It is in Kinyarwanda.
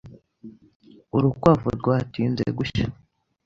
Urukwavu rwatinze gushya